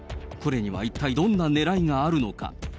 これには一体、どんなねらいがあるのか。